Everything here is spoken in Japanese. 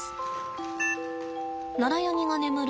ナラヤニが眠る